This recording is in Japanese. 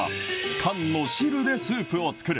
缶の汁でスープを作る。